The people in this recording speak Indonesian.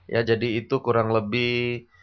ya jadi itu kurang lebih